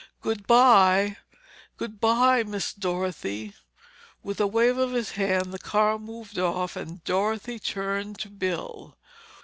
Goodbye. Goodbye, Miss Dorothy." With a wave of his hand the car moved off and Dorothy turned to Bill.